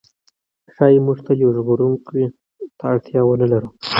ښایي موږ تل یو ژغورونکي ته اړتیا ونه لرو.